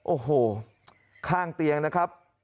โอ้โหข้างเตียงนะครับ